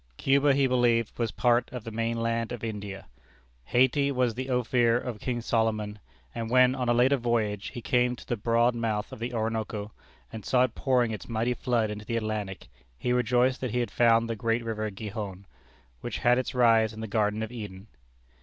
Cuba he believed was a part of the mainland of India; Hayti was the Ophir of King Solomon; and when, on a later voyage, he came to the broad mouth of the Orinoco, and saw it pouring its mighty flood into the Atlantic, he rejoiced that he had found the great river Gihon, which had its rise in the garden of Eden!